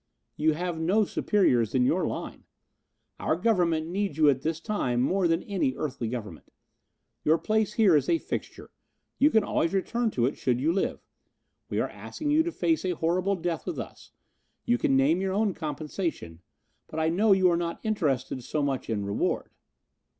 "You have no superiors in your line. Our Government needs you at this time more than any earthly government. Your place here is a fixture. You can always return to it, should you live. We are asking you to face a horrible death with us. You can name your own compensation, but I know you are not interested so much in reward.